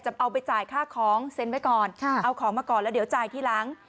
เอาไปจ่ายค่าของเซ็นไว้ก่อนเอาของมาก่อนแล้วเดี๋ยวจ่ายทีหลัง